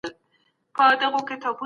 د معلولینو ملاتړ د ټولني دنده ده.